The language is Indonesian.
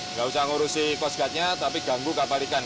nggak usah ngurusin coast guard nya tapi ganggu kapal ikan